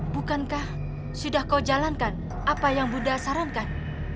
bukankah sudah kau jalankan apa yang bunda sarankan